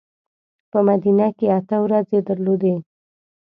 په مدینه کې اته ورځې درلودې.